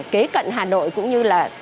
kế cận hà nội cũng như là